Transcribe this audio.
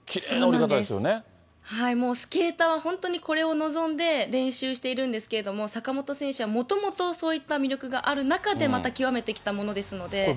そうなんです、もうスケーターは本当に、これを望んで練習しているんですけれども、坂本選手はもともと、そういった魅力がある中で、また極めてきたものですので。